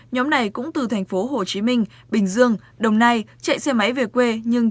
nhóm này cũng từ thành phố hồ chí minh bình dương đồng nai chạy xe máy về quê nhưng